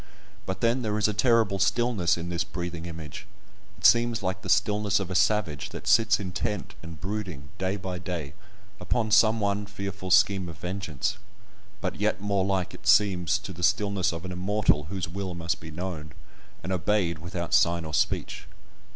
But then there is a terrible stillness in this breathing image; it seems like the stillness of a savage that sits intent and brooding, day by day, upon some one fearful scheme of vengeance, but yet more like it seems to the stillness of an Immortal, whose will must be known, and obeyed without sign or speech.